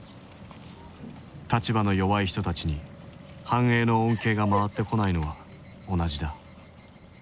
立場の弱い人たちに繁栄の恩恵が回ってこないのは同じだ。